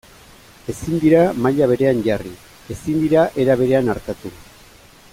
Ezin dira maila berean jarri, ezin dira era berean artatu.